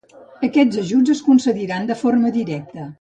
Aquests ajuts es concediran de forma directa.